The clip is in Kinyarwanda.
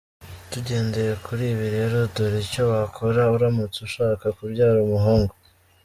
Tugendeye kuri ibi rero, dore icyo wakora uramutse ushaka kubyara umuhungu:.